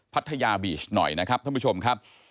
พัทยาบีชหน่อยนะครับท่านผู้ชมครับ